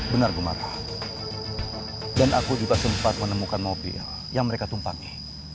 benar benar dan aku juga sempat menemukan mobil yang mereka tumpangi